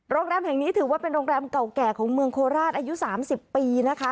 โรงแรมแห่งนี้ถือว่าเป็นโรงแรมเก่าแก่ของเมืองโคราชอายุ๓๐ปีนะคะ